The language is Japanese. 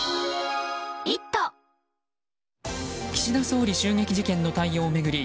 岸田総理襲撃事件の対応を巡り